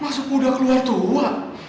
masuk udah keluar tua